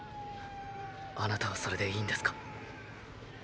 あなたはそれでいいんですか？